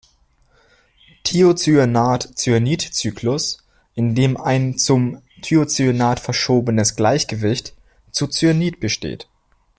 Thiocyanat-Cyanid-Zyklus, in dem ein zum Thiocyanat verschobenes Gleichgewicht zu Cyanid besteht.